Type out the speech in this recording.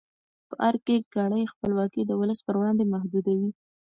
په ارګ کې کړۍ خپلواکي د ولس پر وړاندې محدودوي.